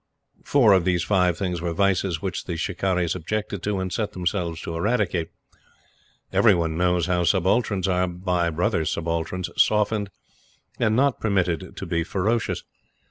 Four of these five things were vices which the "Shikarris" objected to and set themselves to eradicate. Every one knows how subalterns are, by brother subalterns, softened and not permitted to be ferocious.